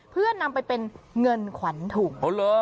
เพื่อนำไปเป็นเงินขวัญถุง